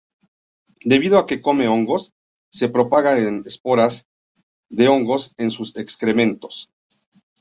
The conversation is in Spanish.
Debido a que come hongos, se propaga esporas de hongos en sus excrementos.